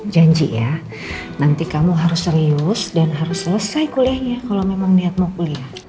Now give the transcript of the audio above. janji ya nanti kamu harus serius dan harus selesai kuliahnya kalau memang niat mau kuliah